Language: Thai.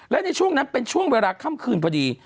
และในช่วงนั้นเป็นช่วงเวลาค่ำคืนพอดี